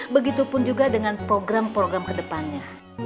begitupun juga dengan program program kedepannya